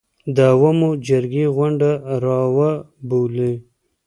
د عوامو جرګې غونډه راوبولي.